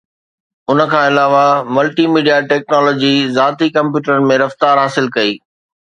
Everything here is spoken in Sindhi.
ان کان علاوه، ملٽي ميڊيا ٽيڪنالاجي ذاتي ڪمپيوٽرن ۾ رفتار حاصل ڪئي